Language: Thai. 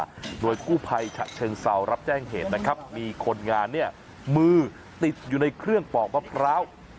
หน่วยกู้ภัยฉะเชิงเซารับแจ้งเหตุนะครับมีคนงานเนี่ยมือติดอยู่ในเครื่องปอกมะพร้าว